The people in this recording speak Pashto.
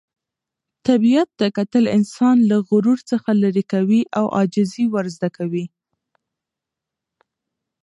طبیعت ته کتل انسان له غرور څخه لیرې کوي او عاجزي ور زده کوي.